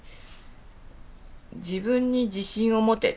「自分に自信をもて」。